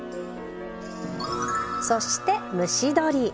そして蒸し鶏。